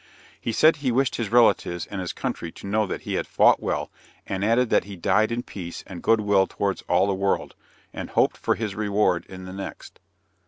He said he wished his relatives and his country to know that he had fought well, and added that he died in peace and good will towards all the world, and hoped for his reward in the next."